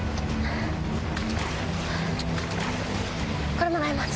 これもらいます。